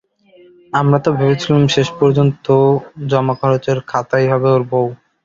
আমরা তো ভেবেছিলুম শেষ পর্যন্ত জমাখরচের খাতাই হবে ওর বউ।